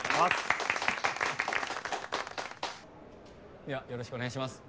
ではよろしくお願いします。